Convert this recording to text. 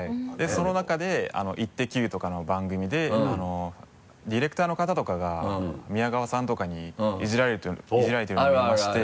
その中で「イッテＱ！」とかの番組でディレクターの方とかが宮川さんとかにイジられてるの見まして。